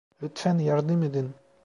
Lütfen yardım edin!